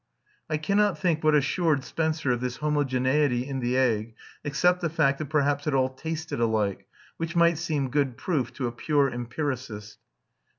I cannot think what assured Spencer of this homogeneity in the egg, except the fact that perhaps it all tasted alike, which might seem good proof to a pure empiricist.